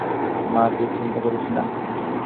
মা, তুই চিন্তা করিস না।